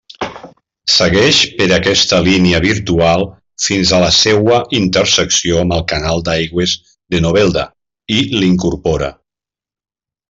Segueix per aquesta línia virtual fins a la seua intersecció amb el canal d'aigües de Novelda, i l'incorpora.